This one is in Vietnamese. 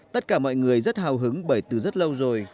tất cả mọi người rất hào hứng bởi từ rất lâu rồi